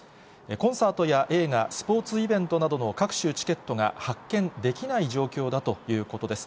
コンサートや映画、スポーツイベントなどの各種チケットが発券できない状況だということです。